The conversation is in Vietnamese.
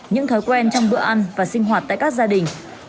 những thói quen trong bữa ăn và sinh hoạt tại các gia đình